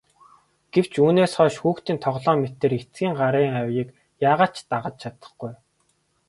Гэвч үүнээс хойш хүүхдийн тоглоом мэтээр эцгийн гарын аяыг яагаад ч дагаж чадахгүй.